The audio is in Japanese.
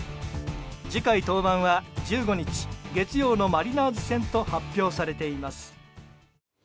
次回登板は１５日月曜のマリナーズ戦と発表されています。